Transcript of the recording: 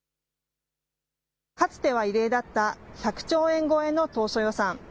かつては異例だった１００兆円超えの当初予算。